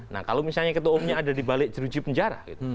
nah kalau misalnya ketua umumnya ada di balik jeruji penjara